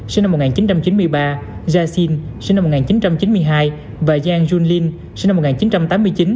sinh năm một nghìn chín trăm chín mươi ba jia xin sinh năm một nghìn chín trăm chín mươi hai và jiang junlin sinh năm một nghìn chín trăm tám mươi chín